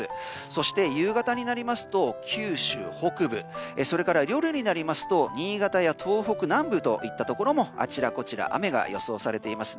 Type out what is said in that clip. そして夕方になりますと九州北部それから夜になりますと新潟や東北南部といったところもあちらこちら雨が予想されています。